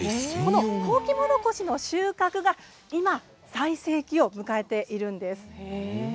ホウキモロコシの収穫が今最盛期を迎えているんです。